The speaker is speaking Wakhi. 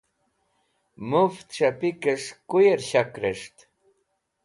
Muft S̃hapikes̃h Kuyer Shak Res̃ht